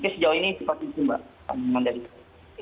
jadi sejauh ini pasti simpan